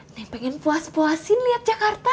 neng pengen puas puasin liat jakarta